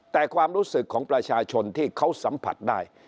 แต่ความรู้สึกของประชาชนที่เขาสัมผัสได้